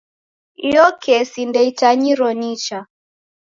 Iyo kesi ndeitanyiro nicha.